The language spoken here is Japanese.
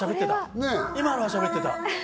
今のは、しゃべってた。